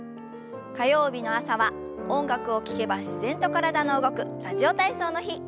火曜日の朝は音楽を聞けば自然と体の動く「ラジオ体操」の日。